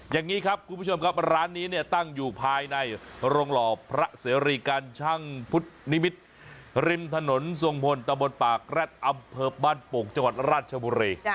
อย่างนี้ครับคุณผู้ชมครับร้านนี้เนี่ยตั้งอยู่ภายในโรงหล่อพระเสรีกันช่างพุทธนิมิตรริมถนนทรงพลตะบนปากแร็ดอำเภอบ้านโป่งจังหวัดราชบุรี